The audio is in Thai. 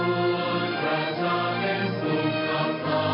มนุษย์รักคุณภรรพิษัท